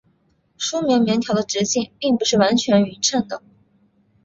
梳棉棉条的直径并不是完全均匀的。